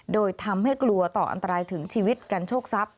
โดยทำให้กลัวต่ออันตรายถึงชีวิตการโชคทรัพย